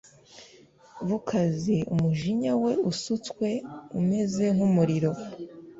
bukaze Umujinya we usutswe umeze nk umuriro